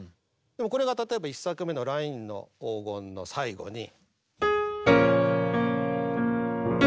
でもこれが例えば１作目の「ラインの黄金」の最後に。